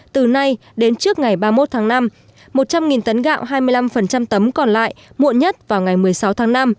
từ nay đến trước ngày ba mươi một tháng năm một trăm linh tấn gạo hai mươi năm tấm còn lại muộn nhất vào ngày một mươi sáu tháng năm